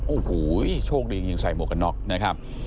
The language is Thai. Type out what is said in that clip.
โอ้โหโชคดียิงใส่หมวกกันน็อกนะครับ